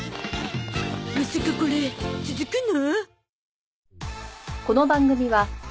まさかこれ続くの？